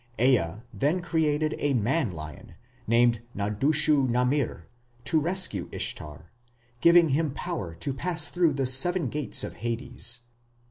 Ea then created a man lion, named Nadushu namir, to rescue Ishtar, giving him power to pass through the seven gates of Hades.